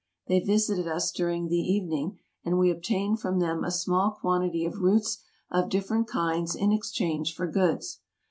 They visited us during the even ing and we obtained from them a small quantity of roots of different kinds in exchange for goods.